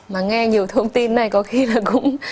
mà nghe nhiều thông tin này có khi là cũng